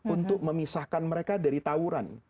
untuk memisahkan mereka dari tawuran